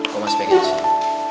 gue masih pengen sih